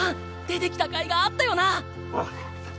出てきたかいがあったよな！